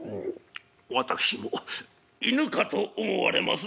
「私も犬かと思われます」。